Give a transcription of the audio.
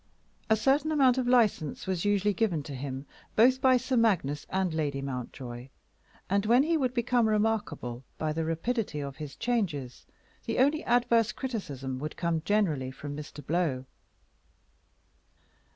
A certain amount of license was usually given to him, both by Sir Magnus and Lady Mountjoy, and when he would become remarkable by the rapidity of his changes the only adverse criticism would come generally from Mr. Blow.